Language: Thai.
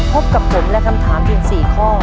พบกับผมและคำถามเพียง๔ข้อ